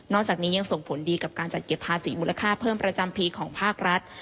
จากนี้ยังส่งผลดีกับการจัดเก็บภาษีมูลค่าเพิ่มประจำปีของภาครัฐ